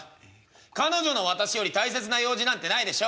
「彼女の私より大切な用事なんてないでしょ？」。